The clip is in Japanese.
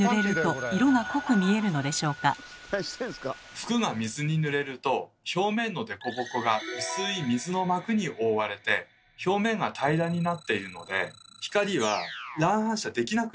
服が水にぬれると表面のデコボコが薄い水の膜に覆われて表面が平らになっているので光は乱反射できなくなってしまいます。